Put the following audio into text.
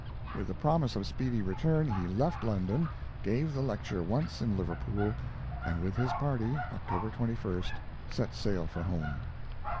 With the promise of speedy return, he left London, gave the lecture once in Liverpool, and with his party (October 21st) set sail for home.